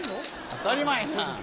当たり前じゃん！